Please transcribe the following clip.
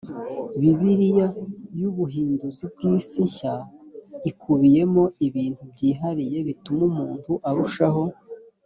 bibiliya y ubuhinduzi bw isi nshya ikubiyemo ibintu byihariye bituma umuntu arushaho